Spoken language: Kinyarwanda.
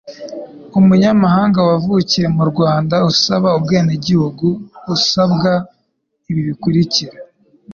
Umunyamahanga wavukiye mu Rwanda usaba ubwenegihugu asabwa ibi bikurikira: